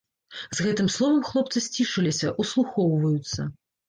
З гэтым словам хлопцы сцішыліся, услухоўваюцца.